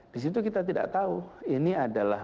di situ kita tidak tahu ini adalah